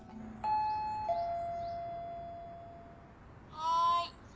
はい。